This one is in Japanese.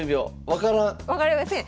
分かりません。